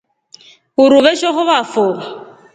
Uruu veshohovafo.